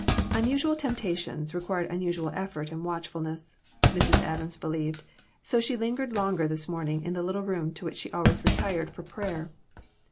Unusual temptations required unusual effort and watchfulness, Mrs. Adams believed, so she lingered longer this morning in the little room to which she always retired for prayer.